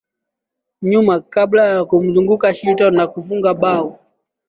Nyuma kabla ya kumzunguka Shilton na kufunga bao